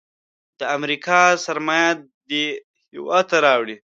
د امریکا سرمایه دې هیواد ته راوړي.